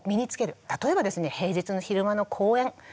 例えばですね平日の昼間の公園